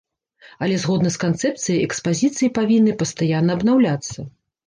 Але згодна з канцэпцыяй, экспазіцыі павінны пастаянна абнаўляцца.